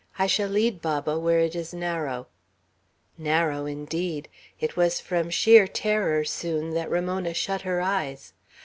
I shall lead Baba, where it is narrow." "Narrow," indeed. It was from sheer terror, soon, that Ramona shut her eyes.